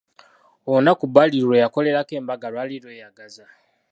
Olunaku Badru lwe yakolerako embaga lwali lweyagaza.